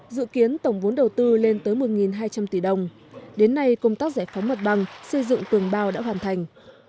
dự kiến tổng vốn đầu tư lên tới một hai trăm linh tỷ đồng đến nay công tác giải phóng mặt bằng xây dựng tường bao đã hoàn thành